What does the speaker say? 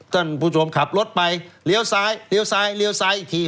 ท่านผู้ชมขับรถไปเลี้ยวซ้ายเลี้ยวซ้ายเลี้ยวซ้ายอีกที